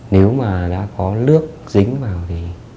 nếu mà đã có lước dính vào thì